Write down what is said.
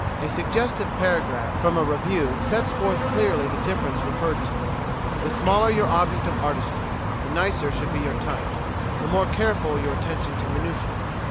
A suggestive paragraph from a review sets forth clearly the difference referred to: "The smaller your object of artistry, the nicer should be your touch, the more careful your attention to minutiæ.